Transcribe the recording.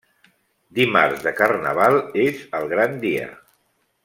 Dimarts de carnaval és el gran dia.